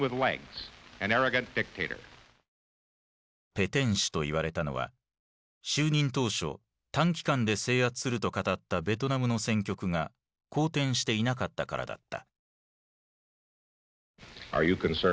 ペテン師といわれたのは就任当初短期間で制圧すると語ったベトナムの戦局が好転していなかったからだった。